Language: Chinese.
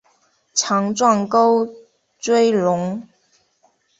强壮沟椎龙。